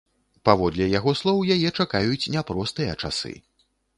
Паводле яго слоў, яе чакаюць няпростыя часы.